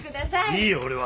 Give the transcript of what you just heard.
いいよ俺は。